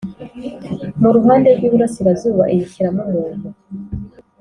mu ruhande rw’iburasirazuba, iyishyiramo umuntu